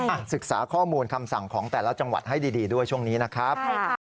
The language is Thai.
ศึกษาข้อมูลคำสั่งของแต่ละจังหวัดให้ดีด้วยช่วงนี้นะครับ